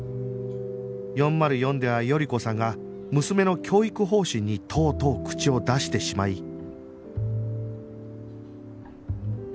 ４０４では頼子さんが娘の教育方針にとうとう口を出してしまい